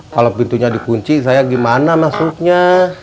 kalau pintunya dikunci saya gimana maksudnya